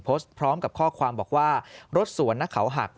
โพสต์พร้อมกับข้อความบอกว่ารถสวนนักเขาหัก